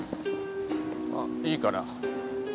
あっいいから。